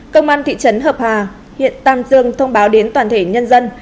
công an thị trấn hợp hà huyện tam dương thông báo đến toàn thể nhân dân